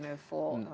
tapi kita belajar